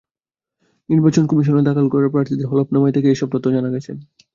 নির্বাচন কমিশনে দাখিল করা প্রার্থীদের হলফনামায় থেকে এসব তথ্য জানা গেছে।